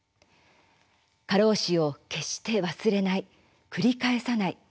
過労死を決して忘れない繰り返さない。